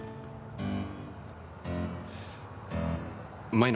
うん。